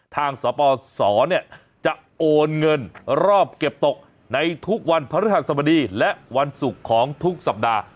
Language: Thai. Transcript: ทางสปสจะโอนเงินรอบเก็บตกในทุกวันพระฤหัสบดีและวันศุกร์ของทุกสัปดาห์